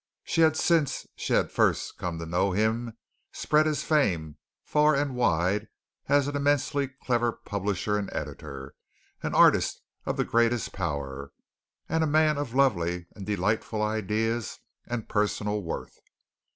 She had since she had first come to know him spread his fame far and wide as an immensely clever publisher and editor, an artist of the greatest power, and a man of lovely and delightful ideas and personal worth.